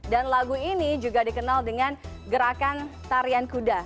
dan lagu ini juga di kenal dengan gerakan tarian kuda